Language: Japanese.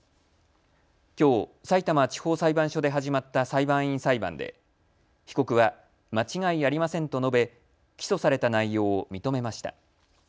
きょう、さいたま地方裁判所で始まった裁判員裁判で被告は間違いありませんと述べ起訴された内容を認めました。